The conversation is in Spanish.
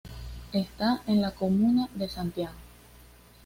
Está en la comuna de Santiago.